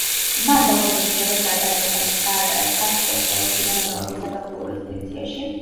მან ბავშვობა დედასა და და-ძმებთან ერთად გაატარა ცარსკოე-სელოში, რომანოვების საზაფხულო რეზიდენციაში.